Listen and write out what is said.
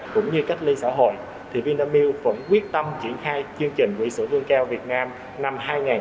cũng như cách ly xã hội thì vinamilk vẫn quyết tâm triển khai chương trình quỹ sửa lương cao việt nam năm hai nghìn hai mươi